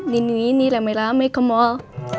nini ini lemeh dua ke mall